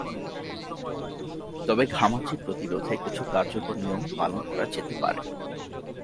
তবে ঘামাচি প্রতিরোধে কিছু কার্যকর নিয়ম পালন করা যেতে পারে।